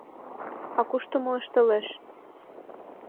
— А кушто мо ышталтеш?